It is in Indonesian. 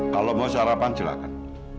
kalau mau sarapan silahkan